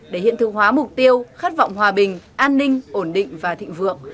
để hiện thực hóa mục tiêu khát vọng hòa bình an ninh ổn định và thịnh vượng